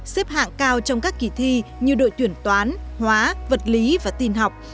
xếp hạng cao trong các kỳ thi như đội tuyển toán hóa vật lý và tin học